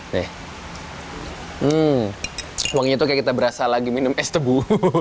nih hmm wanginya tuh kayak kita berasa lagi minum es tebu